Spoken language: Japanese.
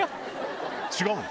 違う！